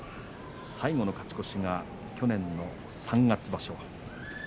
最後の勝ち越しが去年の三月場所。